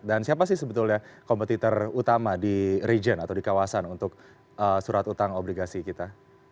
dan siapa sih sebetulnya kompetitor utama di region atau di kawasan untuk surat utang obligasi kita